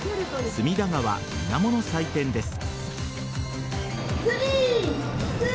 隅田川水面の祭典です。